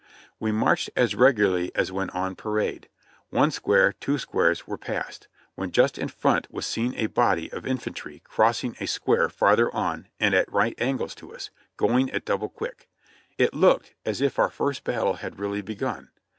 We marched as regularly as when on parade. One square, two squares were passed, when just in front was seen a body of in fantry crossing a square farther on and at right angles to us, go ing at double quick. It looked as if our first battle had really begun.